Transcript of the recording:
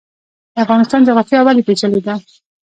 د افغانستان جغرافیا ولې پیچلې ده؟